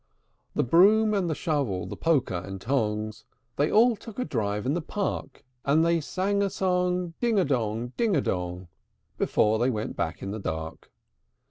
The Broom and the Shovel, the Poker and Tongs, They all took a drive in the Park; And they each sang a song, ding a dong, ding a dong! Before they went back in the dark.